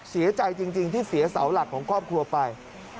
เสียใจจริงที่เสียเสาหลักของครอบครัวไป